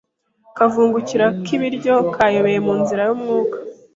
akavungukira k’ibiryo kayobeye mu nzira y’umwuka